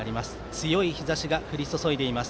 強い日ざしが降り注いでいます